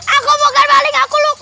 aku mau ngambil balik aku lukman